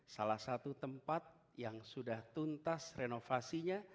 salah satu tempat yang sudah tuntas renovasinya